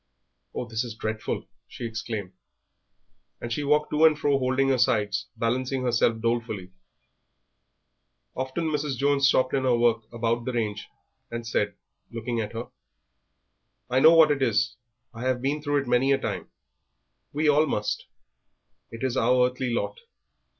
Oh, this is dreadful!" she exclaimed, and she walked to and fro holding her sides, balancing herself dolefully. Often Mrs. Jones stopped in her work about the range and said, looking at her, "I know what it is, I have been through it many a time we all must it is our earthly lot."